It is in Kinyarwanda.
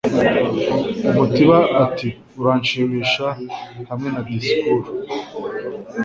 Umutiba ati Uranshimisha hamwe na disikuru